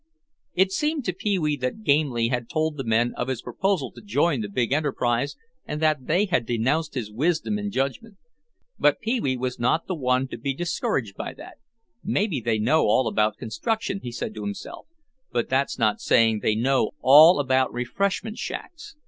It seemed to Pee wee that Gamely had told the men of his proposal to join the big enterprise and that they had denounced his wisdom and judgment. But Pee wee was not the one to be discouraged by that. "Maybe they know all about construction," he said to himself, "but that's not saying they know all about refreshment shacks.